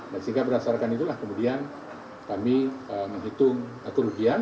nah sehingga berdasarkan itulah kemudian kami menghitung kerugian